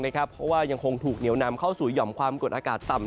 เพราะว่ายังคงถูกเหนียวนำเข้าสู่หย่อมความกดอากาศต่ำ